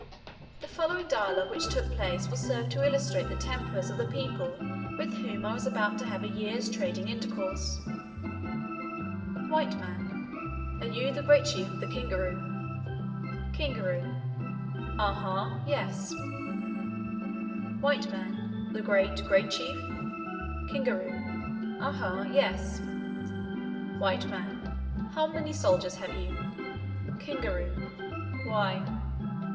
The following dialogue which took place will serve to illustrate the tempers of the people with whom I was about to have a year's trading intercourse: White Man. "Are you the great chief of Kingaru?" Kingaru. "Huh uh. Yes." W. M. "The great, great chief?" Kingaru. "Huh uh. Yes." W. M. "How many soldiers have you?" Kingaru. " Why?" W.